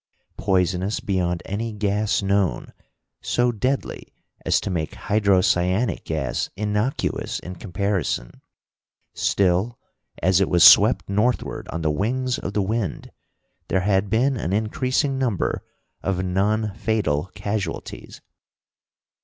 Poisonous beyond any gas known, so deadly as to make hydrocyanic gas innocuous in comparison, still as it was swept northward on the wings of the wind, there had been an increasing number of non fatal casualties.